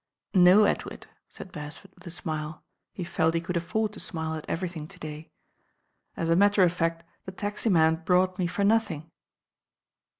'©» "No, Edward," said Beresford with a smile, he felt he could afford to smile at everything to day, as a matter of fact the taxi man brought me for nothing."